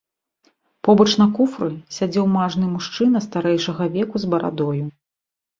Побач на куфры сядзеў мажны мужчына старэйшага веку з барадою.